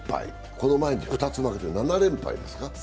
この前に２つ負けていて、７連敗ですか。